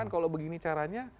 kalau begini caranya